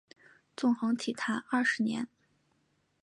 纵横体坛二十年。